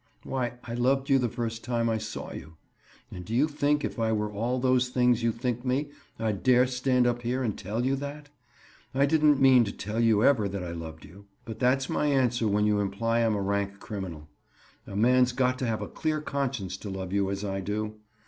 Why, I loved you the first time I saw you. And do you think if I were all those things you think me, I'd dare stand up here and tell you that? I didn't mean to tell you ever that I loved you. But that's my answer when you imply I'm a rank criminal. A man's got to have a clear conscience to love you as I do.